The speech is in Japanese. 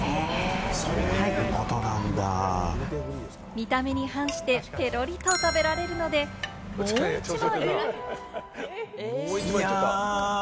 見た目に反して、ペロリと食べられるので、もう１枚。